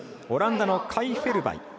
オランダのカイ・フェルバイ。